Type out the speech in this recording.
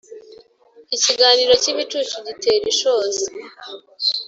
Ikiganiro cy’ibicucu gitera ishozi